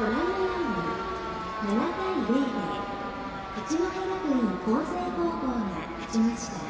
ご覧のように７対０で八戸学院光星高校が勝ちました。